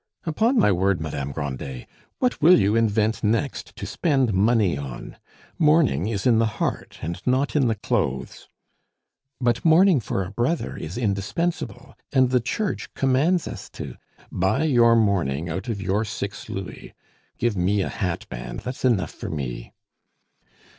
"Upon my word, Madame Grandet! what will you invent next to spend money on? Mourning is in the heart, and not in the clothes." "But mourning for a brother is indispensable; and the Church commands us to " "Buy your mourning out of your six louis. Give me a hat band; that's enough for me."